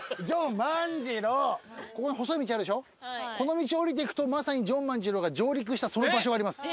この道を下りていくとまさにジョン万次郎が上陸したその場所があります。